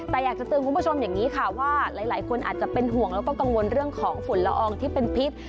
แต่อยากจะเตือนคุณผู้ชมอย่างนี้ค่ะว่าหลายคนอาจจะเป็นห่วงแล้วก็กังวลเรื่องของฝุ่นละอองที่เป็นพิษ